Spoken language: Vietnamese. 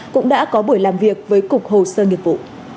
cũng đã có buổi làm việc với cục hồ sơ nghiệp vụ